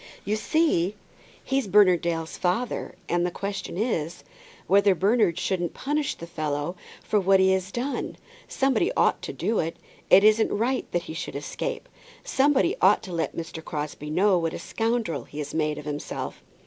"You see he's Bernard Dale's father, and the question is, whether Bernard shouldn't punish the fellow for what he has done. Somebody ought to do it. It isn't right that he should escape. Somebody ought to let Mr. Crosbie know what a scoundrel he has made himself."